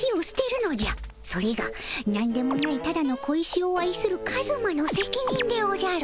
それがなんでもないただの小石を愛するカズマのせきにんでおじゃる。